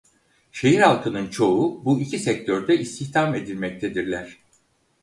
Şehir halkının çoğu bu iki sektörde istihdam edilmektedirler.